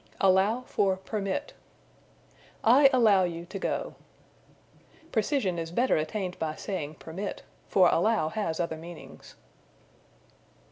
Allow for Permit. "I allow you to go." Precision is better attained by saying permit, for allow has other meanings.